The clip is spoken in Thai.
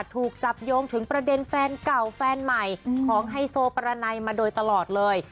ถูกจับโยงถึงประเด็นแฟนเก่าแฟนใหม่ของไฮโซประไนมาโดยตลอดเลย